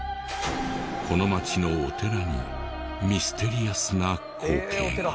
この町のお寺にミステリアスな光景が。